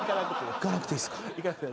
いかなくていいっすか。